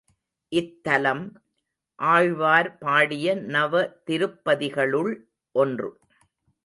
இத்தலம், ஆழ்வார் பாடிய நவதிருப்பதிகளுள் ஒன்று.